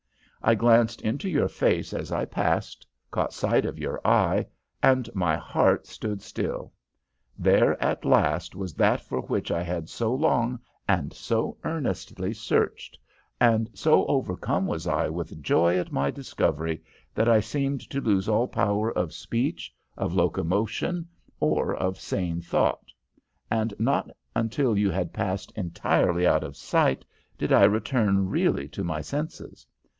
I glanced into your face as I passed, caught sight of your eye, and my heart stood still. There at last was that for which I had so long and so earnestly searched, and so overcome was I with joy at my discovery that I seemed to lose all power of speech, of locomotion, or of sane thought, and not until you had passed entirely out of sight did I return really to my senses.